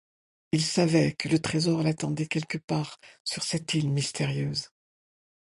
Il savait que le trésor l'attendait quelque part sur cette île mystérieuse.